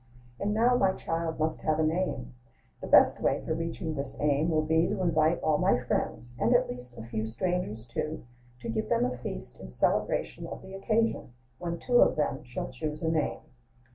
And now my child must have a name: The best way for reaching this aim Will be, to invite all my friends, and, at least, A few strangers, too, to give them a feast In celebration Of the occasion; When two of them Shall choose a name.